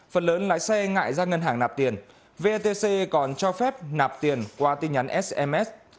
phần lớn lái xe ngại ra ngân hàng nạp tiền vetc còn cho phép nạp tiền qua tin nhắn sms